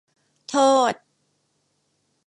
โทษ